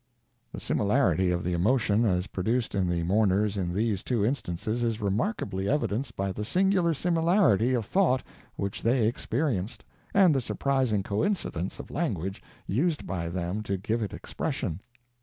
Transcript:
The similarity of the emotions as produced in the mourners in these two instances is remarkably evidenced by the singular similarity of thought which they experienced, and the surprising coincidence of language used by them to give it expression.